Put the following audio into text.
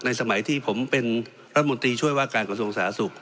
สมัยที่ผมเป็นรัฐมนตรีช่วยว่าการกระทรวงสาธารณสุข